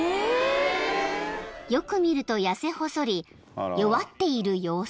［よく見ると痩せ細り弱っている様子］